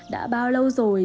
đã bao lâu rồi